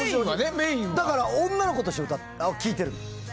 だから女の子として聴いてる。